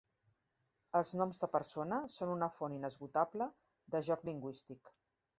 Els noms de persona són una font inesgotable de joc lingüístic.